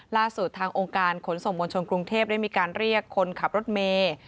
ล่าสุดทางองค์การขนส่งมวลชนกรุงเทพได้มีการเรียกคนขับรถเมย์